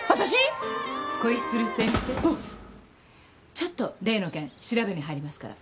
ちょっと例の件調べに入りますから。